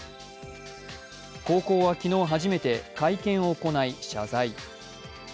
高校は昨日初めて会見を行い謝罪。